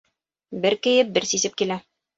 Бер кейеп, бер сисеп килә.